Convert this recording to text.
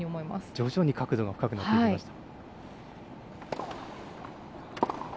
徐々に角度が深くなっていきました。